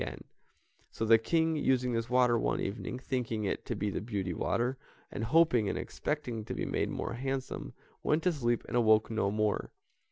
And so the King using this water one evening, thinking it to be the beauty water, and hoping and expecting to be made more handsome, went to sleep and awoke no more.